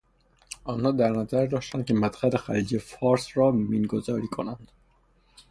آنها در نظر داشتند که مدخل خلیج فارس را مین گذاری کنند.